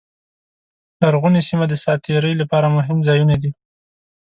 لرغونې سیمې د ساعت تېرۍ لپاره مهم ځایونه دي.